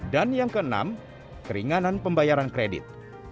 dan yang ke enam keringanan pembayaran kredit